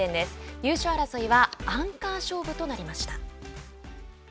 優勝争いはアンカー勝負となりました。